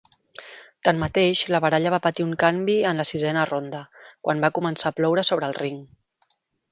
Tanmateix, la baralla va patir un canvi en la sisena ronda, quan ca començar a ploure sobre el ring.